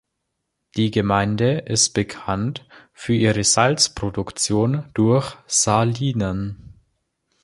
Die Gemeinde ist bekannt für ihre Salzproduktion durch Salinen.